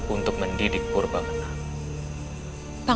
untuk mendidik purba nenang